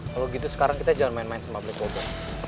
kalo gitu sekarang kita jangan main main sama black bobo